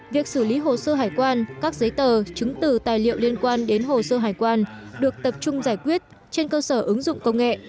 việc xử lý hồ sơ hải quan các giấy tờ chứng từ tài liệu liên quan đến hồ sơ hải quan được tập trung giải quyết trên cơ sở ứng dụng công nghệ